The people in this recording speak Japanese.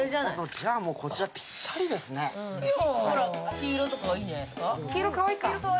黄色とかいいんじゃないですか？